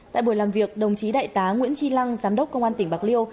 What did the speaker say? tại buổi làm việc đồng chí đại tá nguyễn tri lăng giám đốc công an tỉnh bạc liêu